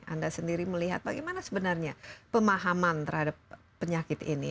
anda sendiri melihat bagaimana sebenarnya pemahaman terhadap penyakit ini